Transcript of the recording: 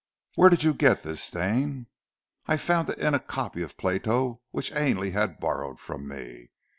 "Where did you get this, Stane?" "I found it in a copy of Plato which Ainley had borrowed from me.